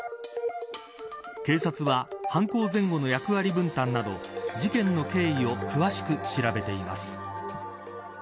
警察は犯行前後の役割分担など事件の経緯を詳しく調べています。